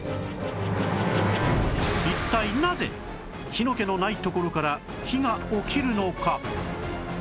一体なぜ火の気のない所から火が起きるのか？